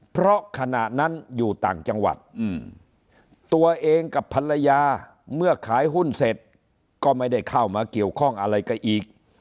เพราะขณะนั้นอยู่ต่างจังหวัดตัวเองกับภรรยาเมื่อขายหุ้นเสร็จก็ไม่ได้เข้ามาเกี่ยวข้องอะไรกับอีก